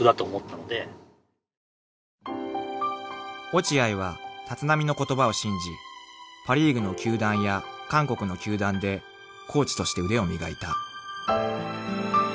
［落合は立浪の言葉を信じパ・リーグの球団や韓国の球団でコーチとして腕を磨いた］